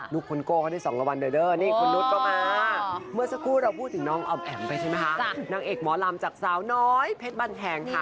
คนโก้เขาได้๒รางวัลเด้อนี่คุณนุษย์ก็มาเมื่อสักครู่เราพูดถึงน้องออมแอ๋มไปใช่ไหมคะนางเอกหมอลำจากสาวน้อยเพชรบันแพงค่ะ